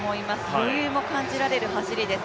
余裕も感じられる走りです。